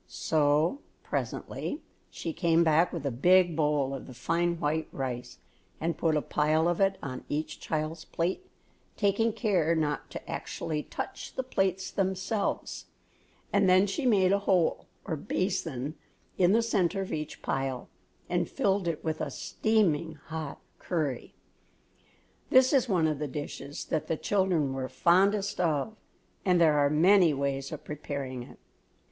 So, presently, she came back with a big bowl of the fine white rice and put a pile of it on each child's plate, taking care not to actually touch the plates themselves, and then she made a hole, or basin, in the centre of each pile and filled it with a steaming hot curry. This is one of the dishes that the children were fondest of and there are many ways of preparing it.